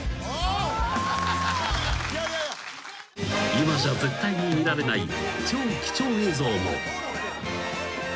［今じゃ絶対に見られない超貴重映像も］